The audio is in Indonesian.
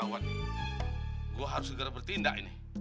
wah gawat nih gue harus segera bertindak ini